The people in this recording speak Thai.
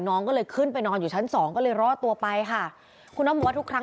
น้องก็เลยขึ้นไปนอนอยู่ชั้น๒ก็เลยรอดตัวไปค่ะ